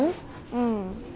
うん。